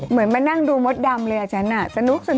เหมือนมานั่งดูมดดำเลยอ่ะฉันสนุก